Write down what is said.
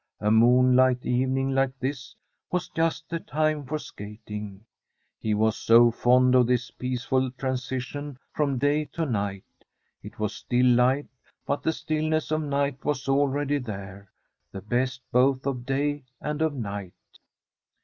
A moonlight even ing like this was just the time for skating; he was so fond of this peaceful transition from day From a SWEDISH HOMESTEAD to night. It was still light, but the stillness of night was already there, the best both of day and of night.